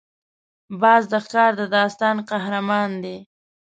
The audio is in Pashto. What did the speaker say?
باز د ښکار د داستان قهرمان دی